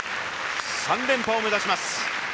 ３連覇を目指します。